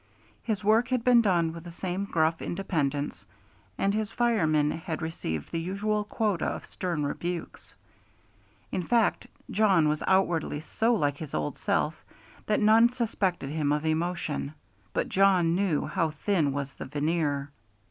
His work had been done with the same gruff independence, and his fireman had received the usual quota of stern rebukes; in fact, Jawn was outwardly so like his old self that none suspected him of emotion, but Jawn knew how thin was the veneer.